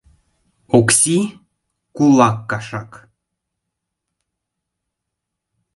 Окси... кулак кашак...